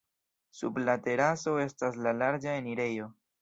Sub la teraso estas la larĝa enirejo.